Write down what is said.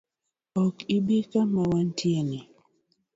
Ok ibi kama wantieni?